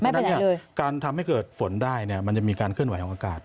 เพราะฉะนั้นการทำให้เกิดฝนได้มันจะมีการเคลื่อนไหวของอากาศ